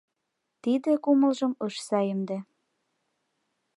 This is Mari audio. Тиде кумылжым ыш саемде.